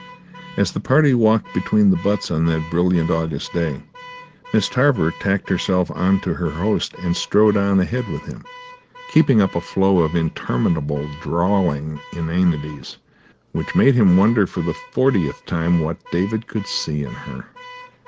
As the party walked between the butts on that brilliant August day, Miss Tarver tacked herself on to her host and strode on ahead with him, keeping up a flow of interminable, drawling inanities, which made him wonder for the fortieth time what David could see in her.